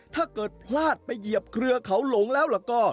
ถ้าเกิดพลาดไปเหยียบเครือเขาหลงแล้วล่ะก็